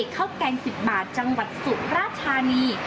แกง๑๐บาทจังหวัดสุราธานี